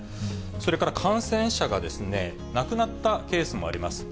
それから感染者が亡くなったケースもあります。